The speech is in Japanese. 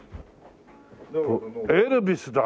エルヴィスだ。